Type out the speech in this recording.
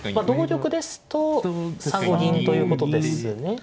同玉ですと３五銀ということですね。